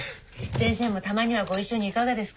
先生もたまにはご一緒にいかがですか。